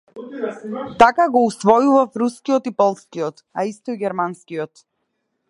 Така го усвојував рускиот и полскиот, а исто и германскиот.